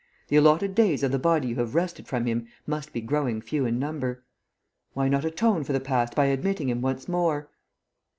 The allotted days of the body you have wrested from him must be growing few in number. Why not atone for the past by admitting him once more?"